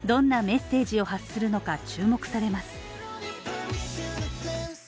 どんなメッセージを発するのか注目されます。